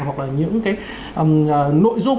hoặc là những cái nội dung